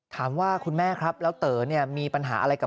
ถามว่าคุณแม่ครับแล้วเต๋อเนี่ยมีปัญหาอะไรกับ